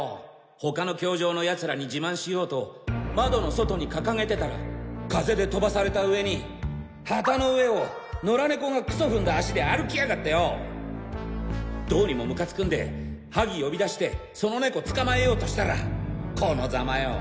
他の教場の奴らに自慢しようと窓の外に掲げてたら風で飛ばされた上に旗の上を野良猫がクソふんだ足で歩きやがってよどうにもムカつくんでハギ呼び出してその猫捕まえようとしたらこのザマよ。